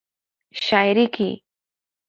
شاعرۍ کې